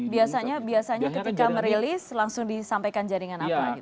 biasanya biasanya ketika merilis langsung disampaikan jaringan apa gitu